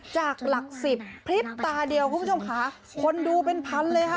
จากหลักสิบพริบตาเดียวคุณผู้ชมค่ะคนดูเป็นพันเลยค่ะ